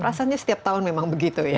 rasanya setiap tahun memang begitu ya